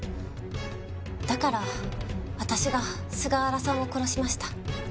だから私が菅原さんを殺しました。